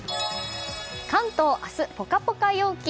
関東明日、ポカポカ陽気。